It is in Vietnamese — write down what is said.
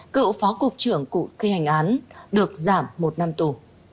cựu phó cục trưởng của khi hành án được giảm một năm tù